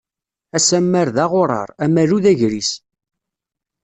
Asammer d aɣuṛaṛ, amalu d agris.